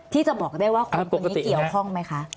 ที่จะบอกได้ว่าคนคนนี้เกี่ยวข้องไหมคะ